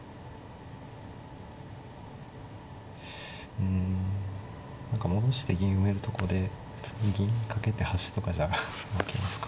うん何か戻して銀埋めるとこで次銀かけて端とかじゃ負けますか。